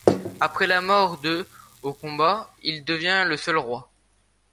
Après la mort de au combat, il devient le seul roi.